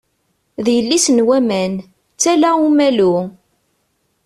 D yelli-s n waman, d tala Umalu.